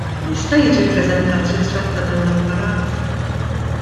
Jista' jiġi ppreżentat ritratt ta' dan l-apparat?